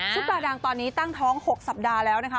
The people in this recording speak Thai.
ปลาดังตอนนี้ตั้งท้อง๖สัปดาห์แล้วนะคะ